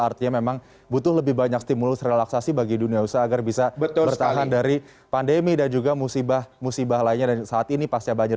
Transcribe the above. artinya memang butuh lebih banyak stimulus relaksasi bagi dunia usaha agar bisa bertahan dari pandemi dan juga musibah musibah lainnya saat ini pasca banjir